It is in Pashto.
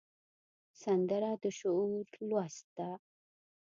سندره د شعور لوست ده